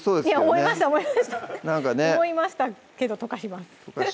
思いました思いましたけど溶かします